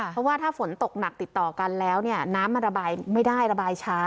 เพราะว่าถ้าฝนตกหนักติดต่อกันแล้วเนี่ยน้ำมันระบายไม่ได้ระบายช้า